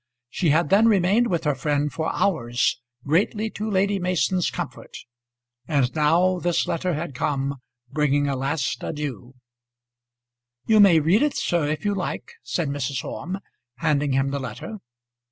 She had then remained with her friend for hours, greatly to Lady Mason's comfort, and now this letter had come, bringing a last adieu. [Illustration: Farewell!] "You may read it, sir, if you like," said Mrs. Orme, handing him the letter.